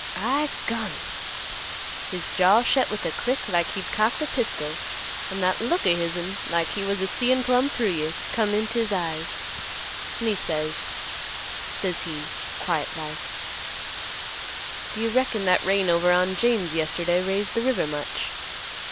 I gonies! His jaw shet with a click like he'd cocked a pistol, an' that look o' hisn, like he was a seein' plumb through you, come int' his eyes, an' he says, says he, quiet like, 'D' you reckon that rain over on James yesterday raised th' river much?